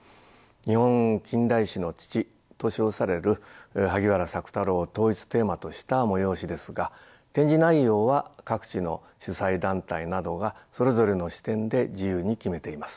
日本近代詩の父と称される萩原朔太郎を統一テーマとした催しですが展示内容は各地の主催団体などがそれぞれの視点で自由に決めています。